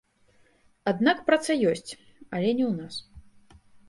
Аднак праца ёсць, але не ў нас.